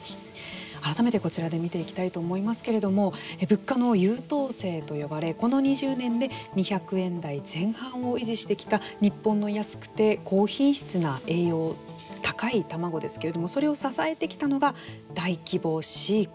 改めてこちらで見ていきたいと思いますけども物価の優等生と呼ばれこの２０年で２００円台前半を維持してきた日本の安くて高品質な栄養高い卵ですけれどもそれを支えてきたのが大規模飼育。